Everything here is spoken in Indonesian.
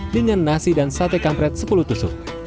dengan nasi dan sate kampret sepuluh tusuk